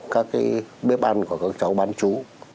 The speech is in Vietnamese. các cái bếp ăn của các cháu bán chú